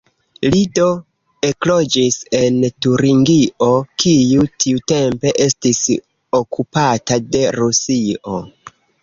Li do ekloĝis en Turingio, kiu tiutempe estis okupata de Rusio.